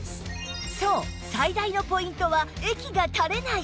そう最大のポイントは液が垂れない！